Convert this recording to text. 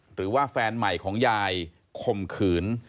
หรือว่าแฟนใหม่ของยายข่มขืน